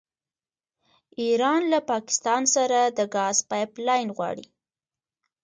ایران له پاکستان سره د ګاز پایپ لاین غواړي.